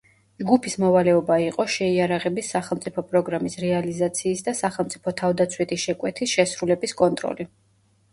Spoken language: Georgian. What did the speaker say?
ჯგუფის მოვალეობა იყო შეიარაღების სახელმწიფო პროგრამის რეალიზაციის და სახელმწიფო თავდაცვითი შეკვეთის შესრულების კონტროლი.